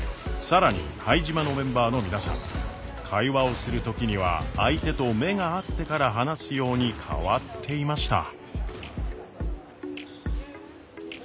更に拝島のメンバーの皆さん会話をする時には相手と目が合ってから話すように変わっていました。